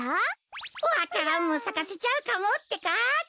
わか蘭もさかせちゃうかもってか。